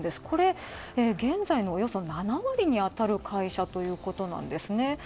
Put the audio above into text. これ、現在のおよそ７割にあたる会社ということなんですね。